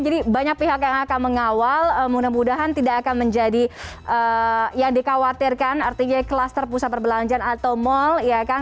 jadi banyak pihak yang akan mengawal mudah mudahan tidak akan menjadi yang dikhawatirkan artinya kluster pusat perbelanjaan atau mall ya kan